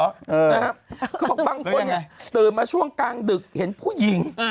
บางคนเติมมาช่วงกลางดึกเห็นผู้หญิง